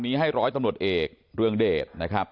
นักข่าวมาก่อนครับ